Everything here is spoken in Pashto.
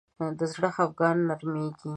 د زړه خفګان نرمېږي